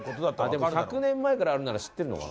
でも１００年前からあるなら知ってるのかな。